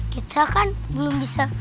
kita kan belum bisa